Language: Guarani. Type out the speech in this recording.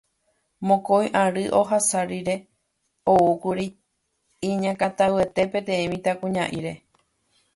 Mokõi ary ohasa rire oúkuri iñakãtavyete peteĩ mitãkaria'ýre.